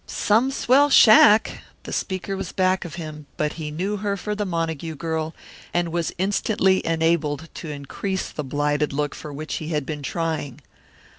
"Some swell shack!" The speaker was back of him, but he knew her for the Montague girl, and was instantly enabled to increase the blighted look for which he had been trying.